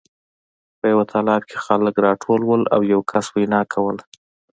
په یوه تالار کې خلک راټول وو او یو کس وینا کوله